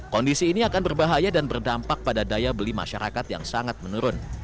kondisi ini akan berbahaya dan berdampak pada daya beli masyarakat yang sangat menurun